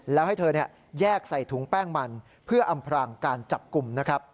แล้วให้เธอแยกใส่ถุงแป้งมันเพื่ออำพรางการจับกลุ่มนะครับ